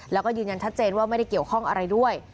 แล้วก็ยืนยันชัดเจนว่าไม่ได้เกี่ยวข้องอะไรด้วย